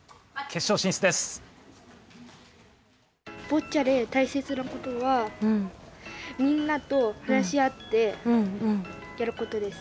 ボッチャで大切なことはみんなと話し合ってやることです。